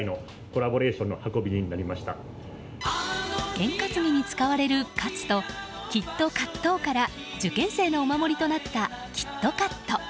験担ぎに使われる「カツ」と「きっと勝っとお」から受験生のお守りとなったキットカット。